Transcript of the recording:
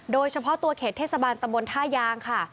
โดยเฉพาะตัวเขตเทศบาลตะบนท่ายางค่ะ